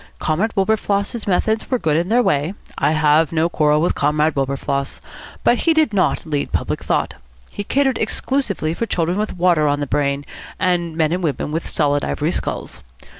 Comrade Wilberfloss's methods were good in their way. I have no quarrel with Comrade Wilberfloss. But he did not lead public thought. He catered exclusively for children with water on the brain, and men and women with solid ivory skulls.